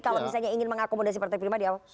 kalau misalnya ingin mengakomodasi partai prima di awal